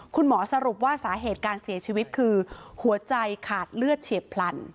คุณหมอสรุปว่าสาเหตุการเสียชีวิตคือหัวใจขาดเลือดเฉียบพลัน